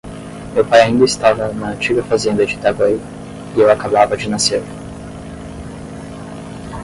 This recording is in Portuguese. meu pai ainda estava na antiga fazenda de Itaguaí, e eu acabava de nascer.